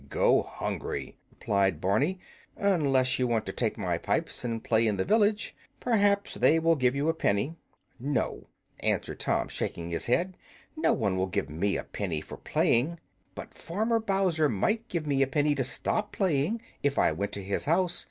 "Go hungry," replied Barney, "unless you want to take my pipes and play in the village. Perhaps they will give you a penny." "No," answered Tom, shaking his head; "no one will give me a penny for playing; but Farmer Bowser might give me a penny to stop playing, if I went to his house.